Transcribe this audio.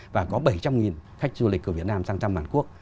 và có bảy trăm linh khách du lịch của việt nam sang trăm hàn quốc